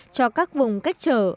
cho các vùng cách trở